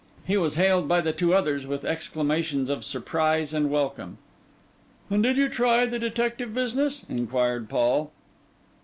He was hailed by the two others with exclamations of surprise and welcome. 'And did you try the detective business?' inquired Paul.